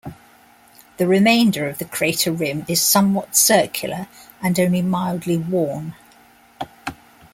The remainder of the crater rim is somewhat circular and only mildly worn.